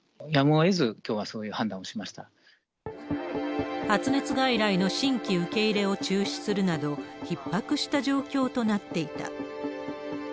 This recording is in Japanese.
やむをえず、きょうはそういう判発熱外来の新規受け入れを中止するなど、ひっ迫した状況となっていた。